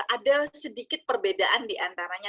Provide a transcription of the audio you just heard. ada sedikit perbedaan diantaranya